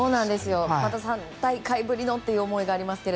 ３大会ぶりのという思いがありますが。